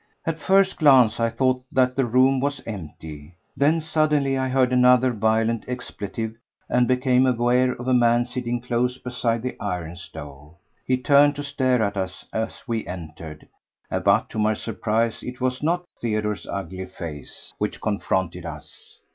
At first glance I thought that the room was empty, then suddenly I heard another violent expletive and became aware of a man sitting close beside the iron stove. He turned to stare at us as we entered, but to my surprise it was not Theodore's ugly face which confronted us.